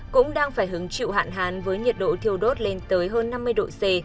cũng đang phải hứng chịu hạn hán với nhiệt độ thiêu đốt lên tới hơn năm mươi độ c